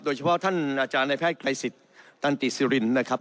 ท่านอาจารย์ในแพทย์ไกรสิทธิ์ตันติสิรินนะครับ